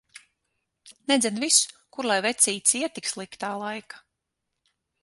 Nedzen vis! Kur lai vecītis iet tik sliktā laika.